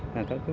các các viện